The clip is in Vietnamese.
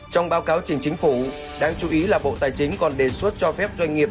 trong báo cáo trình chính phủ đáng chú ý là bộ tài chính còn đề xuất cho phép doanh nghiệp